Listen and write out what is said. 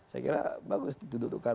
saya kira bagus didudukkan